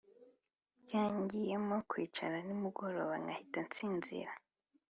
Byangiyemo kwicara nimugoroba nkahita nsinzira